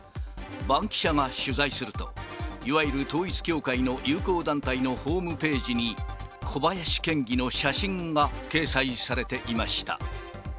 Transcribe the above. バンキシャが取材すると、いわゆる統一教会の友好団体のホームページに、小林県議の写真が掲載されていました。